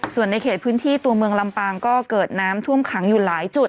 ส่วนในเขตพื้นที่ตัวเมืองลำปางก็เกิดน้ำท่วมขังอยู่หลายจุด